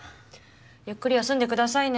ゆっくり休んでくださいね。